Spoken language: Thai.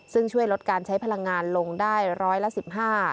ซึ่งช่วยลดการใช้พลังงานลงได้ร้อยละสิบห้า